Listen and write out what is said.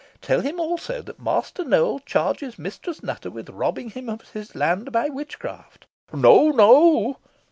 Tell him, also, that Master Nowell charges Mistress Nutter with robbing him of his land by witchcraft." "No, no!"